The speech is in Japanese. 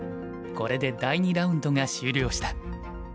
これで第２ラウンドが終了した。